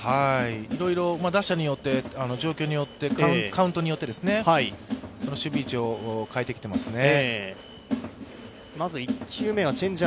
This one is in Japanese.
いろいろ打者によって、状況カウントによって守備位置を変えてきていますね。